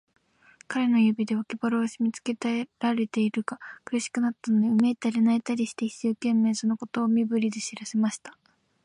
彼の指で、脇腹をしめつけられているのが苦しくなったので、うめいたり、泣いたりして、一生懸命、そのことを身振りで知らせました。